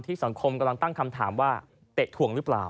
สังคมกำลังตั้งคำถามว่าเตะถ่วงหรือเปล่า